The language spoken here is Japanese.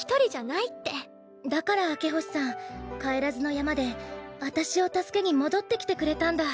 だから明星さん帰らずの山で私を助けに戻ってきてくれたんだ。